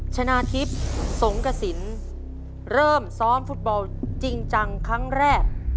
ชนะทิพย์สงกระสินเริ่มซ้อมฟุตบอลจริงจังครั้งแรก